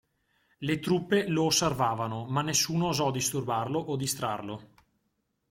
Le truppe lo osservavano, ma nessuno osò disturbarlo o distrarlo.